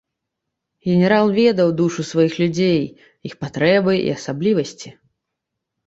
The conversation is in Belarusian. Генерал ведаў душу сваіх людзей, іх патрэбы і асаблівасці.